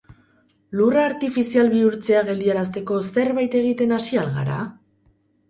Lurra artifizial bihurtzea geldiarazteko zerbait egiten hasi al gara?